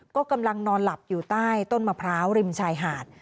ก็กำลังนอนหลับอยู่ใต้ต้นมะพร้าวริมชายหาด